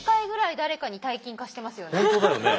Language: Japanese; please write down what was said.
本当だよね。